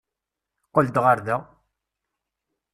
Qqel-d ɣer da!